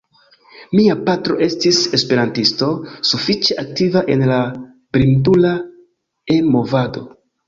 Mia patro estis esperantisto, sufiĉe aktiva en la blindula E-movado.